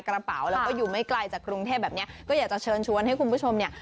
กระเป๋าแล้วก็อยู่ไม่ไกลจากกรุงเทพแบบเนี้ยก็อยากจะเชิญชวนให้คุณผู้ชมเนี่ย